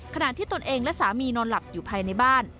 ขณะที่ตนเองและสามีนอนหลับอยู่ภายในบ้าน